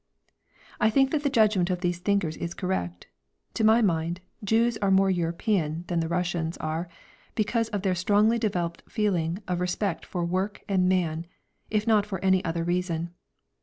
I think that the judgment of these thinkers is correct. To my mind, Jews are more European than the Russians are, because of their strongly developed feeling of respect for work and man, if not for any other reason.